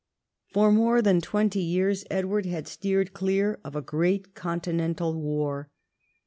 For more than twenty years Edward had steered clear of a great continental war.